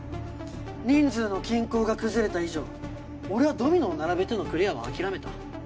人数の均衡が崩れた以上俺はドミノを並べてのクリアは諦めた。